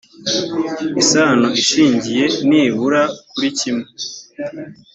isano ishingiye nibura kuri kimwe